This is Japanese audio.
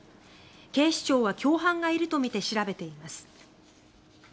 警視庁は共犯がいるとみて調べています。